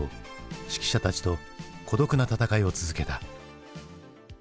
識者たちと孤独な闘いを続けた。